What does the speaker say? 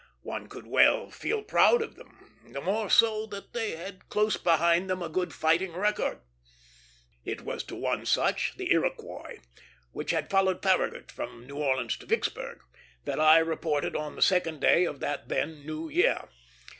One could well feel proud of them; the more so that they had close behind them a good fighting record. It was to one such, the Iroquois, which had followed Farragut from New Orleans to Vicksburg, that I reported on the second day of that then new year.